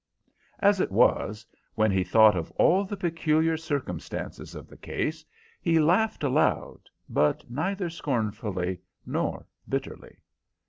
As it was, when he thought of all the peculiar circumstances of the case, he laughed aloud, but neither scornfully nor bitterly.